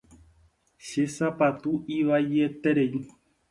Che sapatu ivaieterei.